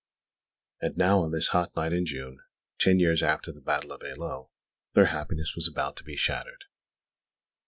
And now, on this hot night in June, ten years after the battle of Eylau, their happiness was about to be shattered.